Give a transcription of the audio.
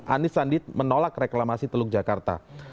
anies sandi menolak reklamasi teluk jakarta